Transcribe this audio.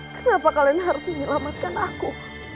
kenapa kalian harus menyelamatkan aku